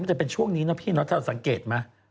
มันจะเป็นช่วงนี้นะพี่น้องถ้าสังเกตมา